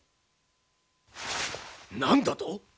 何だと！？